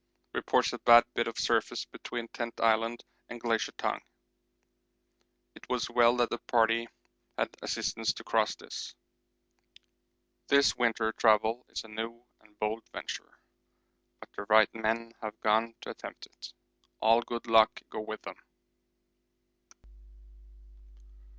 Reports a bad bit of surface between Tent Island and Glacier Tongue. It was well that the party had assistance to cross this. This winter travel is a new and bold venture, but the right men have gone to attempt it. All good luck go with them.